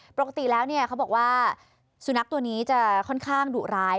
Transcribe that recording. ปกติแล้วเขาบอกว่าสุนัขตัวนี้จะค่อนข้างดุร้าย